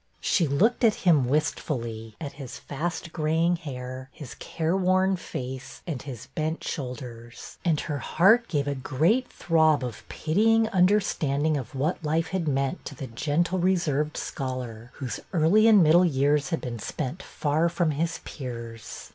She looked at him wistfully, at his fast graying hair, his careworn face, and his bent shoulders, and her heart gave a great throb of pitying understanding of what life had meant to the gentle, reserved scholar, whose early and middle years had been spent far from his peers.